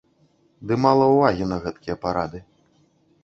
Ды мала ўвагі на гэтакія парады.